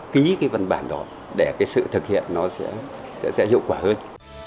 ký cái văn bản đó để cái sự thực hiện nó sẽ hiệu quả hơn